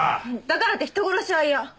だからって人殺しは嫌。